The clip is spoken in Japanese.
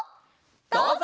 どうぞ！